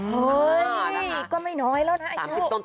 เฮ่ยก็ไม่น้อยแล้ว